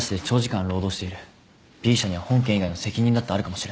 Ｂ社には本件以外の責任だってあるかもしれない。